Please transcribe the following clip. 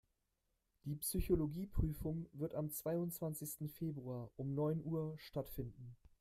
Die Psychologie-Prüfung wird am zweiundzwanzigsten Februar um neun Uhr stattfinden.